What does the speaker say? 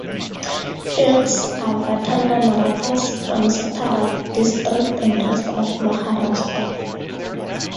Phalkes are vatandar Marathas from Satara District and rest of Maharashtra.